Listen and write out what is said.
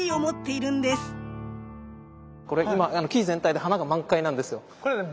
これ今木全体で花が満開なんですよ。